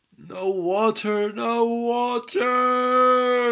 "No water! No water!"